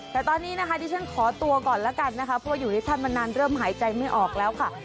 แต่ตอนนี้นะคะดิฉันขอตัวก่อนแล้วกันนะคะเพราะว่าอยู่ที่ท่านมานานเริ่มหายใจไม่ออกแล้วค่ะ